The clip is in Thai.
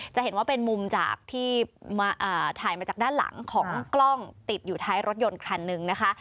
จะเห็นว่าเป็นมุมจากที่ถ่ายมาจากด้านหลังของกล้องติดอยู่ท้ายรถยนต์คันหนึ่งนะคะ